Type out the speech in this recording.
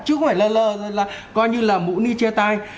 chứ không phải là coi như là mũ ni che tay